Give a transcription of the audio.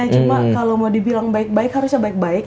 cuma kalau mau dibilang baik baik harusnya baik baik